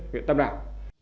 huyện tam đạo